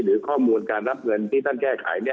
หรือข้อมูลการรับเงินที่ท่านแก้ไข